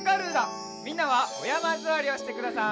みんなはおやまずわりをしてください。